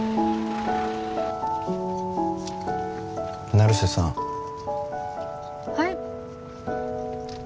成瀬さんはい？